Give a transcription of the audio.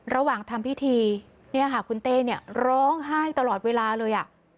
ระหว่างทำพิธีเนี่ยค่ะคุณเต้เนี่ยร้องไห้ตลอดเวลาเลย